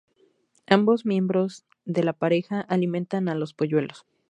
Ambos miembros de la pareja alimentan a los polluelos.